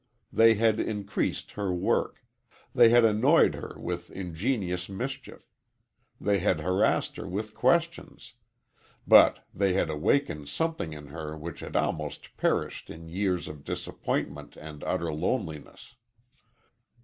They had increased her work; they had annoyed her with ingenious mischief; they had harassed her with questions, but they had awakened something in her which had almost perished in years of disappointment and utter loneliness.